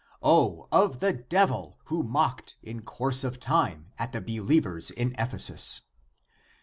O, of the devil who mocked in course of time at the believers in Ephesus